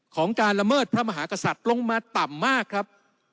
การละเมิดพระมหากษัตริย์ลงมาต่ำมากครับ